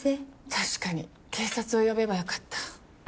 確かに警察を呼べばよかった。